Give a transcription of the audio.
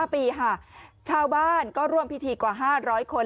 ๕ปีค่ะชาวบ้านก็ร่วมพิธีกว่า๕๐๐คน